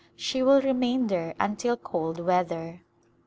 She will remain there until cold weather.